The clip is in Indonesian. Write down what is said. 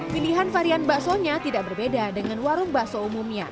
pilihan varian basonya tidak berbeda dengan warung baso umumnya